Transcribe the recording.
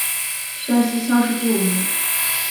山西乡试第五名。